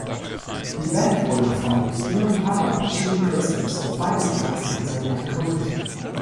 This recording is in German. Die Band wurde von Dion Palmer und Jimmy Christmas, beides Gitarristen und Sänger, gegründet.